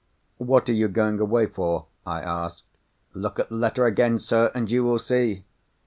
"What are you going away for?" I asked. "Look at the letter again, sir, and you will see."